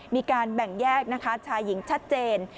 มีการแบ่งแยกนะคะชายหญิงชัดเจน